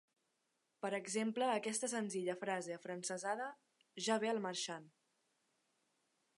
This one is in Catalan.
Per exemple aquesta senzilla frase afrancesada: «Ja ve el marxant.